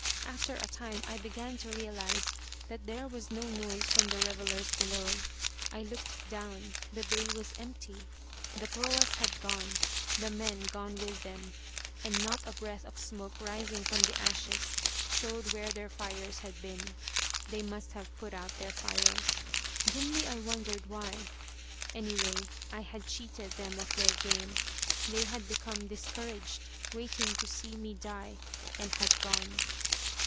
After a time I began to realise that there was no noise from the revelers below. I looked down. The bay was empty. The proas had gone, the men gone with them, and not a breath of smoke rising from the ashes showed where their fires had been. They must have put out their fires. Dimly I wondered why. Anyway I had cheated them of their game. They had become discouraged, waiting to see me die, and had gone.